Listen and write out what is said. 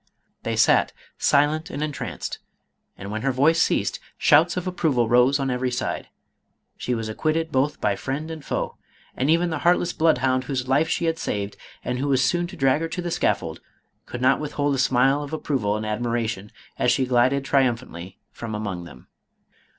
They sat silent and entranced, and when her voice ceased, shouts of approval rose on every side. She was acquitted both by friend and foe, and even the heartless bloodhound whose life she had saved, and who was soon to drag her to the scaffold, could not withhold a smile of approval and admiration as she glided triumphantly from among them.